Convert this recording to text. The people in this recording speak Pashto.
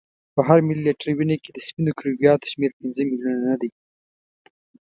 په هر ملي لیتر وینه کې د سپینو کرویاتو شمیر پنځه میلیونه نه دی.